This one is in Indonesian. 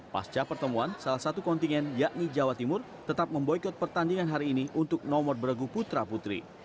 pasca pertemuan salah satu kontingen yakni jawa timur tetap memboykot pertandingan hari ini untuk nomor beragu putra putri